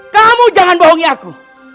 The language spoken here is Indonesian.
kamu jangan bohongi aku